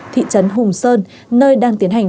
thị trấn hùng sơn nơi đang tiến hành